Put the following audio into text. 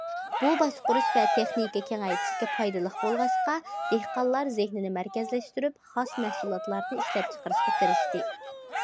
بۇ باشقۇرۇش ۋە تېخنىكا كېڭەيتىشكە پايدىلىق بولغاچقا، دېھقانلار زېھنىنى مەركەزلەشتۈرۈپ خاس مەھسۇلاتلارنى ئىشلەپچىقىرىشقا كىرىشتى.